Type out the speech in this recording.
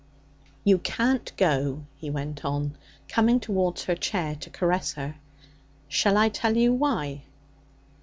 'You can't go,' he went on, coming towards her chair to caress her. 'Shall I tell you why?'